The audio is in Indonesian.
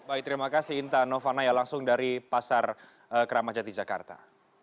baik terima kasih intan novanaya langsung dari pasar kramajati jakarta